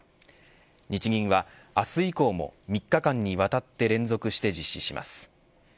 日銀は明日以降も３日間にわたって連続して実施します。